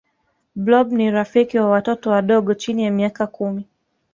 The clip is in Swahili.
blob ni rafiki wa watoto wadogo chini ya miaka kumi